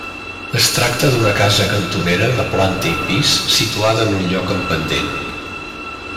Es tracta d'una casa cantonera de planta i pis situada en un lloc amb pendent.